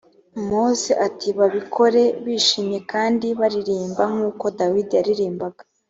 mose ati babikore bishimye kandi baririmba nk uko dawidi yaririmbaga